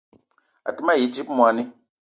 A te ma yi dzip moni